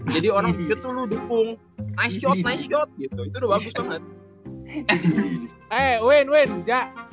jadi orang gitu lu dukung nice shot nice shot gitu itu udah bagus banget